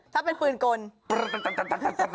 ถ้าเป็นปืนกล